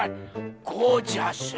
ゴージャス。